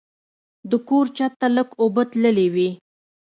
د کور چت ته لږ اوبه تللې وې.